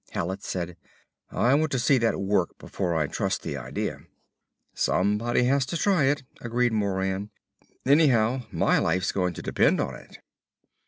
Hallet said; "I want to see that work before I trust the idea." "Somebody has to try it," agreed Moran. "Anyhow my life's going to depend on it."